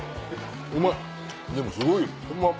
うまいでもすごいうまっ。